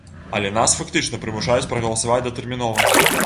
Але нас фактычна прымушаюць прагаласаваць датэрмінова!